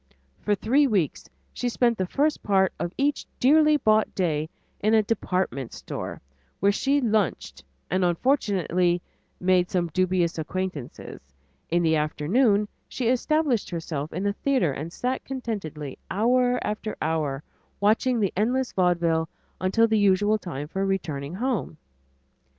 For three weeks she spent the first part of each dearly bought day in a department store where she lunched and unfortunately made some dubious acquaintances; in the afternoon she established herself in a theater and sat contentedly hour after hour watching the endless vaudeville until the usual time for returning home.